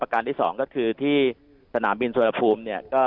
ประการที่สองก็คือที่สนามบินสวนภูมิเนี่ย